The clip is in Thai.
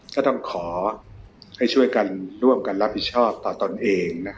ก็ต้องขอให้ช่วยกันร่วมกันรับผิดชอบต่อตนเอง